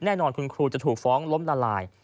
แน่นอนคุณครูจะถูกฟ้องล้มละลาย